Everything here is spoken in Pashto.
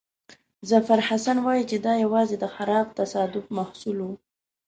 ظفرحسن وایي چې دا یوازې د خراب تصادف محصول وو.